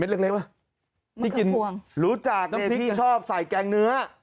เม็ดเล็กนะเดี๋ยวพี่กินรู้จักพี่ชอบใส่แกงเนื้อ